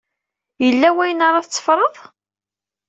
Yella wayen ara tetteffreḍ?